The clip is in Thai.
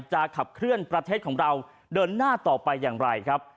จะขับเคลื่อนประเทศของเราเดินหน้าต่อไปอย่างไรครับ